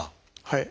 はい。